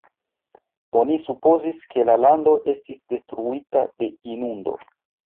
Oni supozis ke la lando estis detruita de inundo.